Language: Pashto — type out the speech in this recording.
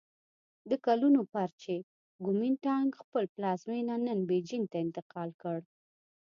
د کلونو پر چې ګومین ټانګ خپل پلازمېنه نن بیجینګ ته انتقال کړ.